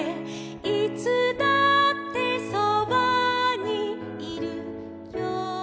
「いつだってそばにいるよ」